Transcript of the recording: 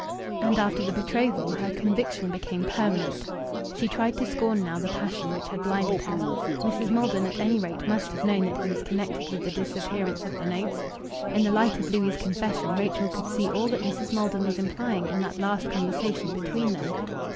And after the betrothal her conviction became permanent. She tried to scorn now the passion which had blinded her. Mrs. Maldon, at any rate, must have known that he was connected with the disappearance of the notes. In the light of Louis' confession Rachel could see all that Mrs. Maldon was implying in that last conversation between them.